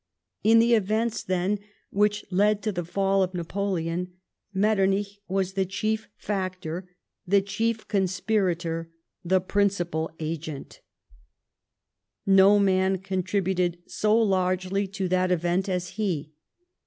In the events, then, which led to the fall of Napoleon Metternich was the chief factor, the chief conspirator, the principal agent No man contributed so largely to 2 106 LIFE OF PlilNCE METTEBNICH. that event as he.